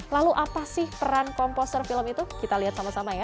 lalu apa sih peran komposer film itu kita lihat sama sama ya